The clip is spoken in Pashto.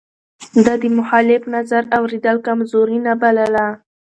ده د مخالف نظر اورېدل کمزوري نه بلله.